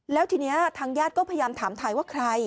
แล้วทีนี้ทางญาติก็พยายามถามถ่ายว่าใคร